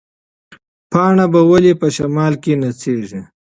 پاڼه به ولې په شمال کې نڅېږي؟